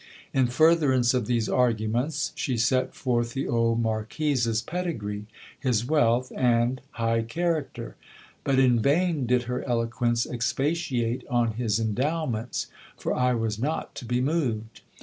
In furtherance of these arguments, she set forth the old marquis's pedigree, his wealth, and high character : but in vain did her eloquence expatiate on his en dowments, for I was not to be moved.